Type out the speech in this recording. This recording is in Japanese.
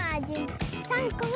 ３こめ。